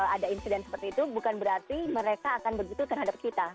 ada insiden seperti itu bukan berarti mereka akan begitu terhadap kita